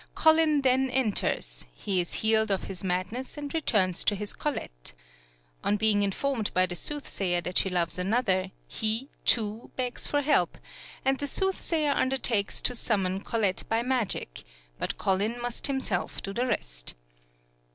Colin then enters; he is healed of his madness, and returns to his Colette. On being informed by the soothsayer that she loves another, he, too, begs for help; the soothsayer undertakes to summon Colette by magic, but Colin must himself do the rest.